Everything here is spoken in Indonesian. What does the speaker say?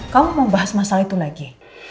kamu mau bahas masalah itu lagi